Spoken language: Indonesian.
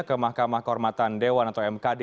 ke mahkamah kehormatan dewan atau mkd